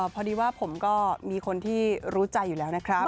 พอดีว่าผมก็มีคนที่รู้ใจอยู่แล้วนะครับ